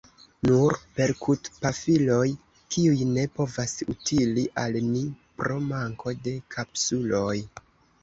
Nur perkutpafiloj, kiuj ne povas utili al ni, pro manko de kapsuloj.